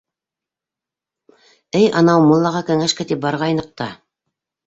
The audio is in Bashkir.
— Эй, анау муллаға кәңәшкә тип барғайныҡ та.